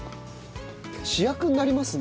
主役になりますね。